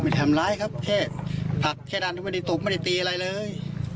ไม่ทำร้ายครับแค่พักแค่ดันไม่ได้ตุกไม่ได้ตีอะไรเลย